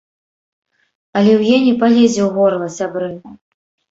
Аліўе не палезе ў горла, сябры.